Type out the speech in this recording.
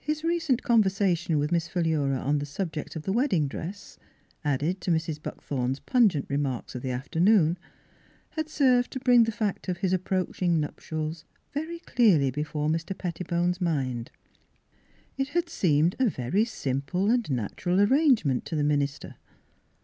His recent conversa tion with Miss Philura on the subject of the wedding dress, added to Mrs. Buck thorn's pungent remarks of the afternoon, had served to bring the fact of his ap proaching nuptials very clearly before Mr. Pettibone's mind. It had seemed a very simple and natural arrangement to the minister.